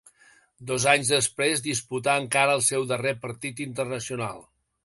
Dos anys després disputà encara el seu darrer partit internacional.